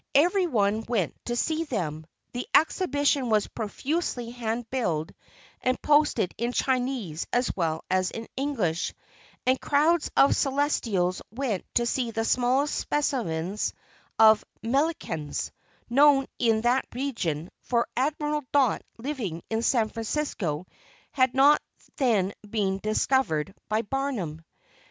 Every one went to see them. The exhibition was profusely hand billed and posted in Chinese as well as in English, and crowds of Celestials went to see the smallest specimens of "Mellicans" known in that region, for Admiral Dot living in San Francisco had not then been "discovered" by Barnum.